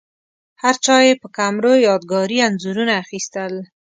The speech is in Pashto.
هرچا یې په کمرو یادګاري انځورونه اخیستل.